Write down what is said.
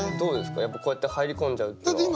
やっぱこうやって入り込んじゃうっていうのは。